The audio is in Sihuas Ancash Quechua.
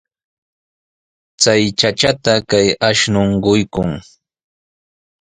Chay chachata kay akshun quykuy.